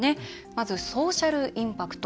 まず、ソーシャルインパクト